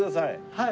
はい。